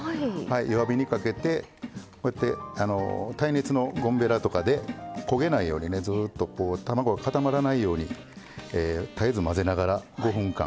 弱火にかけて耐熱のゴムべらとかで焦げないように、ずっと卵が固まらないように絶えず混ぜながら５分間。